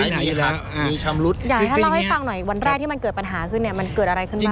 อยากให้ท่านเล่าให้ฟังหน่อยวันแรกที่มันเกิดปัญหาขึ้นเนี่ยมันเกิดอะไรขึ้นบ้าง